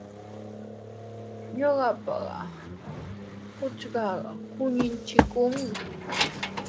Ñuqapa punchuuqa quñuuchikunmi.